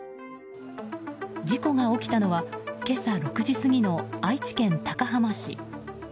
事故が起きたのは今朝６時過ぎの愛知県高浜市。